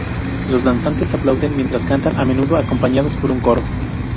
Los danzantes aplauden mientras cantan, a menudo acompañados por un coro.